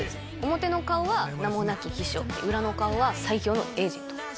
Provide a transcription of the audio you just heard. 表の顔は名もなき秘書裏の顔は最強のエージェント。